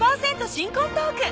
新婚トーク